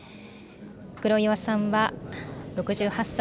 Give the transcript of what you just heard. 黒岩さんは６８歳。